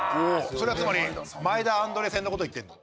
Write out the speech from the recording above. それはつまり前田アンドレ戦の事を言ってるの？